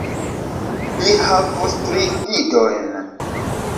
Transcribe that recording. Li havus tri idojn.